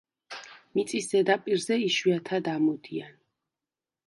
მიწის ზედაპირზე იშვიათად ამოდიან.